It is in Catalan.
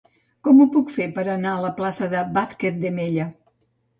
Com ho puc fer per anar a la plaça de Vázquez de Mella?